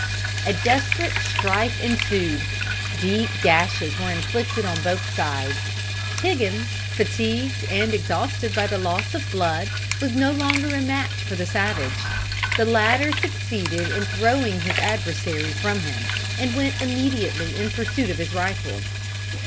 A desperate strife ensued deep gashes were inflicted on both sides. Higgins, fatigued and exhausted by the loss of blood, was no longer a match for the savage. The latter succeeded in throwing his adversary from him, and went immediately in pursuit of his rifle.